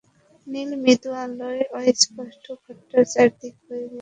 নীল মৃদু আলোয় অস্পষ্ট ঘরটার চারদিকে ভয়ে ভয়ে চোখ বুলায় আনিকা।